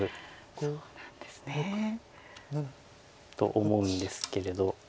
そうなんですね。と思うんですけれど。